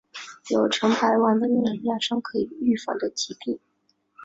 有成百万的人染上可以预防的疾病。